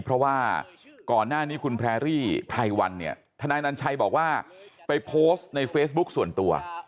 เพราะว่าก่อนหน้านี้คุณแพรรี่ไพรวันเนี่ยทนายนัญชัยบอกว่าไปโพสต์ในเฟซบุ๊คส่วนตัว